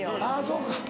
そうか。